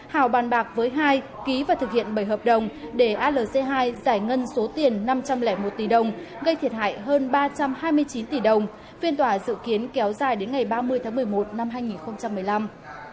hảo bàn bạc với hai ký và thực hiện bảy hợp đồng để alc hai giải ngân số tiền năm trăm linh một tỷ đồng gây thiệt hại hơn ba trăm hai mươi chín tỷ đồng phiên tòa dự kiến kéo dài đến ngày ba mươi tháng một mươi một năm hai nghìn một mươi năm